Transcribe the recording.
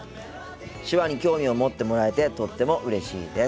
手話に興味を持ってもらえてとってもうれしいです。